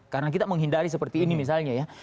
karena kita menghindari seperti ini misalnya ya